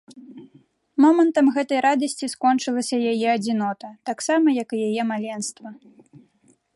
Момантам гэтай радасці скончылася яе адзінота, таксама як і яе маленства.